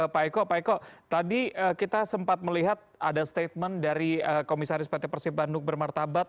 pak eko pak eko tadi kita sempat melihat ada statement dari komisaris pt persib bandung bermartabat